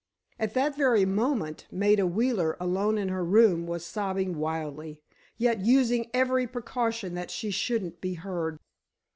At that very moment, Maida Wheeler, alone in her room, was sobbing wildly, yet using every precaution that she shouldn't be heard.